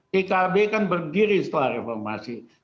pkb kan berdiri setelah reformasi